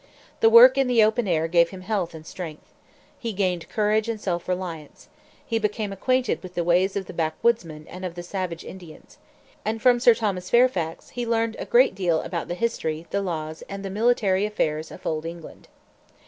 The work in the open air gave him health and strength. He gained courage and self reliance. He became acquainted with the ways of the backwoodsmen and of the savage Indians. And from Sir Thomas Fairfax he learned a great deal about the history, the laws, and the military affairs of old England.